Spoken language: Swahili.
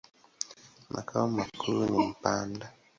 Makao makuu ni Mpanda.